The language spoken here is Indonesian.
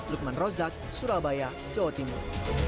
lukman rozak surabaya jawa timur